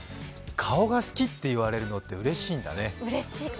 顔が好きって言われるのってうれしいんだね。